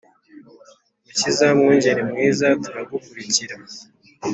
Mukiza mwungeri mwiza turagukurikira